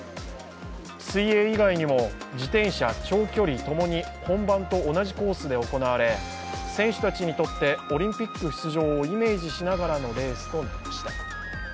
水泳以外にも自転車・長距離共に本番と同じコースで行われ選手たちにとってオリンピック出場をイメージしながらのレースとなりました。